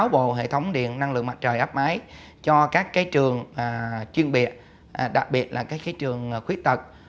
bộ hệ thống điện năng lượng mặt trời áp máy cho các trường chuyên biệt đặc biệt là các trường khuyết tật